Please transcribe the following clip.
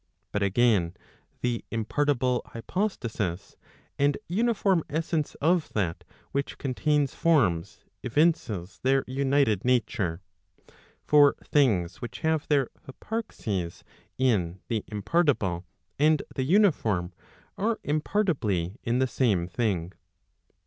But again the impartible hypostasis, and uniform essence of that which contains forms, evinces their united nature. For things which have their hyparxis in the impartible and the uniform, are impartibly in the same thing.